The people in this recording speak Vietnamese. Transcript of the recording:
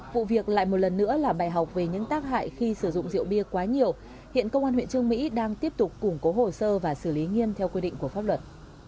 vụ việc lại một lần nữa là bài học về những tác hại khi sử dụng rượu bia quá nhiều hiện công an huyện trương mỹ đang tiếp tục củng cố hồ sơ và xử lý nghiêm theo quy định của pháp luật